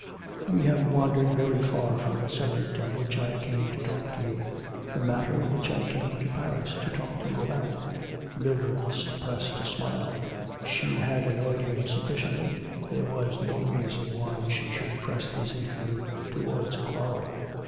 'We have wandered very far from the subject on which I came to talk to you the matter which I came to Paris to talk to you about.' Mildred suppressed a smile. She had annoyed him sufficiently, there was no reason why she should press this interview towards a quarrel.